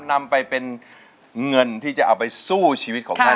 นำไปเป็นเงินที่จะเอาไปสู้ชีวิตของท่าน